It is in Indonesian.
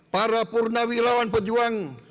para purnawi lawan pejuang